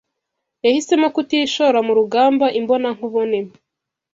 yahisemo kutishora mu rugamba imbonankubone